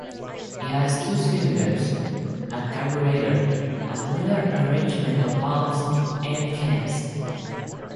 It has two cylinders, a carburetor, a familiar arrangement of valves and cams.